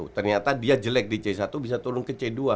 ternyata dia jelek di c satu bisa turun ke c dua